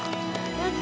やった。